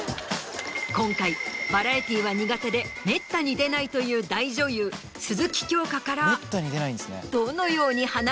今回バラエティーは苦手でめったに出ないという大女優鈴木京香から。